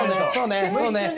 そうね。